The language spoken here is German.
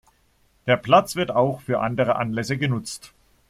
Der Platz wird auch für andere Anlässe genutzt.